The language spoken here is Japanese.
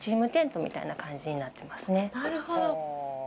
なるほど。